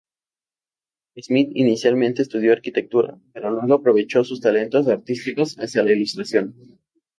Smith inicialmente estudió arquitectura, pero luego aprovechó sus talentos artísticos hacia la ilustración.